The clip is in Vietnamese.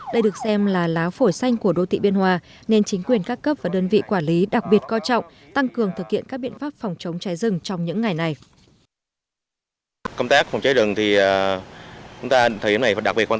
đây được xem là lá phổi xanh của đô tị biên hòa nên chính quyền các cấp và đơn vị quản lý đặc biệt coi trọng tăng cường thực hiện các biện pháp phòng chống cháy rừng trong những ngày này